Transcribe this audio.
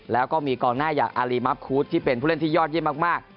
แล้วก็มีกองหน้าอย่างอารีมับคูดที่เป็นผู้เล่นที่ยอดเยี่ยมมาก